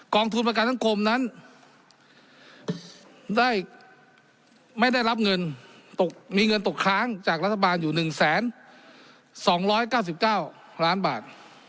ทุนประกันสังคมนั้นได้ไม่ได้รับเงินมีเงินตกค้างจากรัฐบาลอยู่๑๒๙๙ล้านบาท